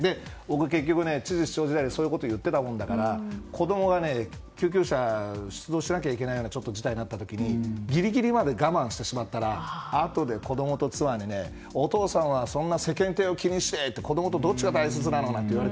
知事、市長時代にそういうことを言っていたもんだから子供がね、救急車出動しなきゃいけないような事態になってしまった時にギリギリまで我慢してしまってあとで子供と妻にお父さんは世間体を気にして子供とどっちが大切なのと。